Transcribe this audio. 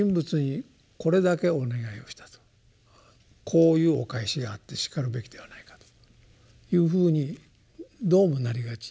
こういうお返しがあってしかるべきではないかというふうにどうもなりがち。